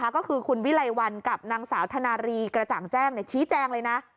ก็คือคุณวิไลวันกับนางสาวธนารีกระจ่างแจ้งชี้แจงเลยนะ